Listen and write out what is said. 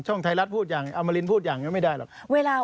ช่องไทยรัฐพูดอย่างยังอามารินพูดอย่างยังไม่ได้หรอก